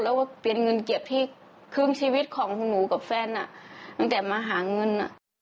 แล้วก็เป็นเงินเก็บที่ครึ่งชีวิตของหนูกับแฟนตั้งแต่มาหาเงิน